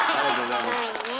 すごいね。